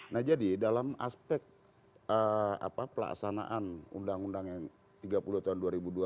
nah jadi dalam aspek pelaksanaan undang undang yang tiga puluh tahun dua ribu dua